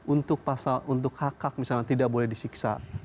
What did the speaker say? untuk pasal untuk hak hak misalnya tidak boleh disiksa